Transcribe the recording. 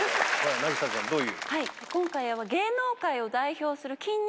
凪咲ちゃんどういう？